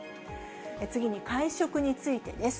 次に、会食についてです。